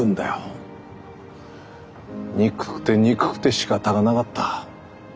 憎くて憎くてしかたがなかった。